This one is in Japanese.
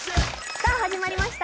さあ始まりました